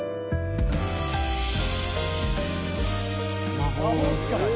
「魔法使い」。